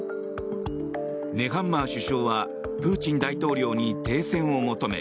ネハンマー首相はプーチン大統領に停戦を求め